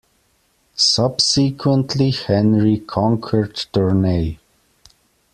Subsequently Henry conquered Tournai.